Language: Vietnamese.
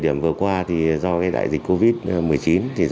thực chất thì trong thời điểm vừa qua do đại dịch covid một mươi chín